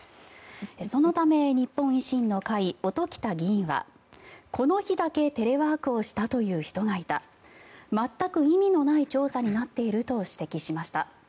そのため、日本維新の会音喜多議員はこの日だけテレワークをしたという人がいた全く意味のない調査になっていると指摘しました。